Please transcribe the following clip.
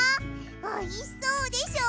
おいしそうでしょ。